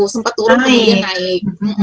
sempat turun kemudian naik